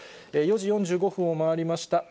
４時４５分を回りました。